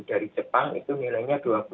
dari jepang itu nilainya dua puluh